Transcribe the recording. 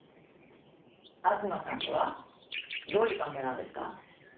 「東さんとはどういう関係なんですか？」